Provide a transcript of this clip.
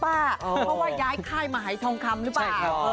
เพราะว่าย้ายค่ายมาหายทองคำหรือเปล่า